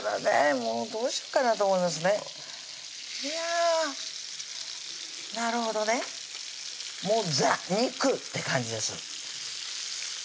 もうどうしようかなと思いますねなるほどねもうザ・肉って感じです